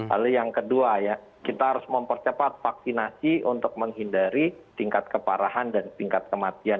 lalu yang kedua ya kita harus mempercepat vaksinasi untuk menghindari tingkat keparahan dan tingkat kematian